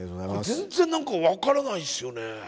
全然なんか分からないっすよね。